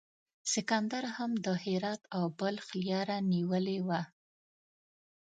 سکندر هم د هرات او بلخ لیاره نیولې وه.